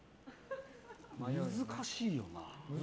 難しいな。